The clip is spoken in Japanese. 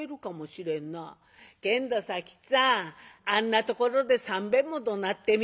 「けんど佐吉さんあんなところで３べんもどなってみ。